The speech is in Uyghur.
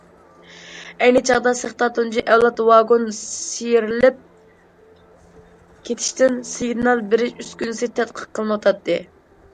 ئەينى چاغدا، سېختا تۇنجى ئەۋلاد ۋاگون سىيرىلىپ كېتىشتىن سىگنال بېرىش ئۈسكۈنىسى تەتقىق قىلىنىۋاتاتتى.